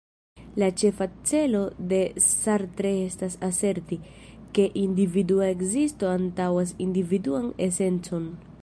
La ĉefa celo de Sartre estas aserti, ke individua ekzisto antaŭas individuan esencon.